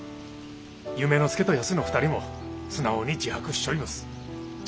夢の助とヤスの２人も素直に自白しちょいもす。